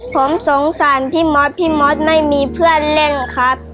ผมสงสารพี่มอสพี่มดไม่มีเพื่อนเล่นครับ